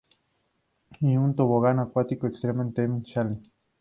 Y un tobogán acuático, Extreme Team Challenge.